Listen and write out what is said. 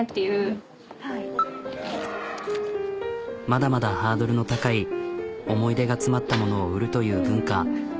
まだまだハードルの高い思い出が詰まったものを売るという文化。